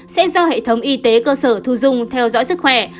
sẽ do hệ thống y tế cơ sở thu dung theo dõi sức khỏe